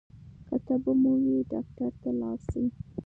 که تبه مو وي ډاکټر ته لاړ شئ.